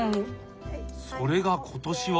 それが今年は！